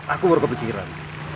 aku baru kepikiran